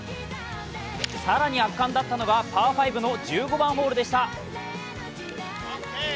更に圧巻だったのがパー５の１５番ホールでした。